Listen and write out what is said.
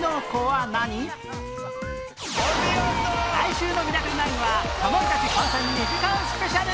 来週の『ミラクル９』はかまいたち参戦２時間スペシャル！